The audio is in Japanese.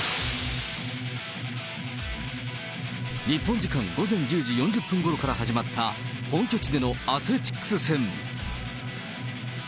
日本時間午前１０時４０分ごろから始まった本拠地でのアスレチックス戦。